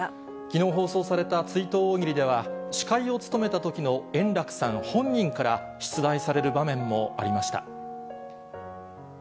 きのう放送された追悼大喜利では、司会を務めたときの円楽さん本人から、出題される場面もありました。